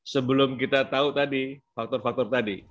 sebelum kita tahu tadi faktor faktor tadi